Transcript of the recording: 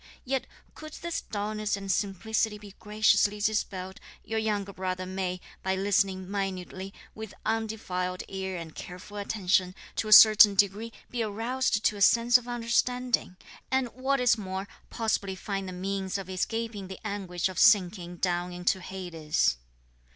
Yet could this dulness and simplicity be graciously dispelled, your younger brother may, by listening minutely, with undefiled ear and careful attention, to a certain degree be aroused to a sense of understanding; and what is more, possibly find the means of escaping the anguish of sinking down into Hades."